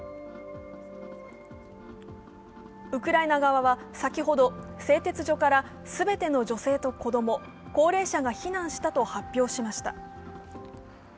ウクライナ側は先ほど製鉄所から全ての女性と子供、高齢者が避難したと発表しました。